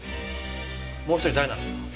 もう１人誰なんですか？